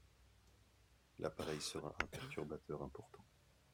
L'appareil sera un perturbateur important.